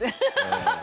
ハハハハ！